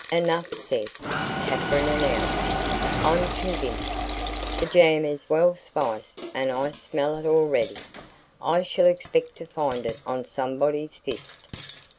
"Enough said," Katherine announced, "I'm convinced. The jam is well spiced and I smell it already. I shall expect to find it on somebody's fist."